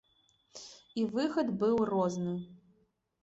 І выхад быў розны.